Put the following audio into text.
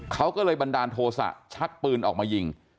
เขาก็เลยบันดาลโทษะชักปืนออกมายิง